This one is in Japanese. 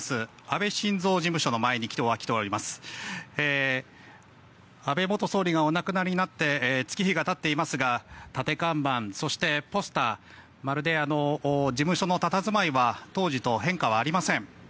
安倍元総理がお亡くなりになって月日がたっていますが立て看板そしてポスター事務所の佇まいは当時と変化ありません。